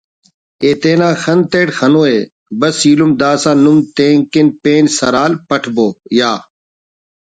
ءِ تینا خن تیٹ خنوءِ بس ایلم داسہ نم تین کن پین سرحال پٹبو یا